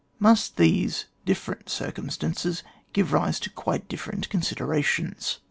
Must not these different circumstances give rise to quite different considerations